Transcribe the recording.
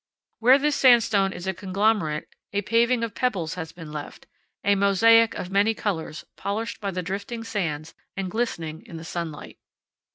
Where this sandstone is a conglomerate, a paving of pebbles has been left, a mosaic of many colors, polished by the drifting sands and glistening in the sunlight.